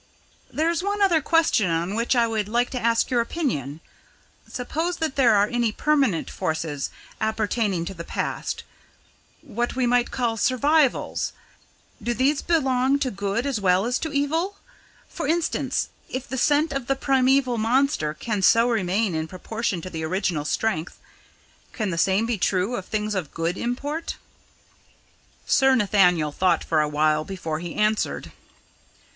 "There is one other question on which I should like to ask your opinion. Suppose that there are any permanent forces appertaining to the past, what we may call 'survivals,' do these belong to good as well as to evil? For instance, if the scent of the primaeval monster can so remain in proportion to the original strength, can the same be true of things of good import?" Sir Nathaniel thought for a while before he answered.